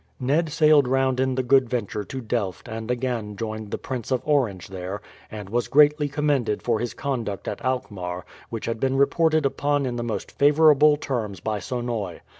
Ned sailed round in the Good Venture to Delft and again joined the Prince of Orange there, and was greatly commended for his conduct at Alkmaar, which had been reported upon in the most favourable terms by Sonoy.